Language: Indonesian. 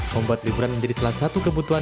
membuat liburan menjadi salah satu kebutuhan